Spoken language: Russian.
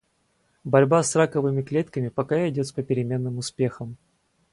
Борьба с раковыми клетками пока идёт с попеременным успехом.